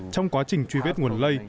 trong quá trình truy vết nguồn lây